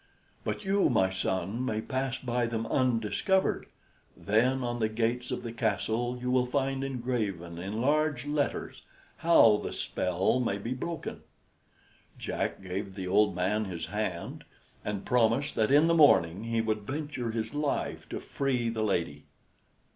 But you, my son, may pass by them undiscovered, then on the gates of the castle you will find engraven in large letters how the spell may be broken." Jack gave the old man his hand, and promised that in the morning he would venture his life to free the lady.